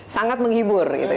sangat menghibur gitu